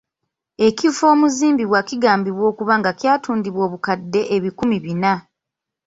Ekifo omuzimbibwa kigambibwa okuba nga kyatundiddwa obukadde ebikumi bina.